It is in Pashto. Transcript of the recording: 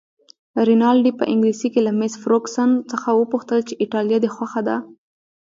رینالډي په انګلیسي کې له مس فرګوسن څخه وپوښتل چې ایټالیه دې خوښه ده؟